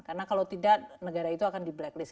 karena kalau tidak negara itu akan di blacklist